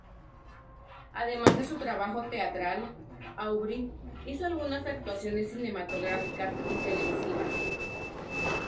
Además de su trabajo teatral, Aubry hizo algunas actuaciones cinematográficas y televisivas.